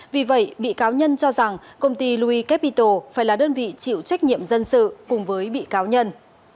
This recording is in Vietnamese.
vì vậy bị cáo nhân cho rằng công ty loui capito phải là đơn vị chịu trách nhiệm dân sự cùng với bị cáo nhân